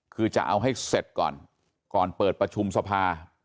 คือจะเอาให้เสร็จก่อนก่อนเปิดประชุมสภา